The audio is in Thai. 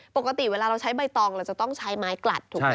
ปกติเวลาเราใช้ใบตองเราจะต้องใช้ไม้กลัดถูกไหม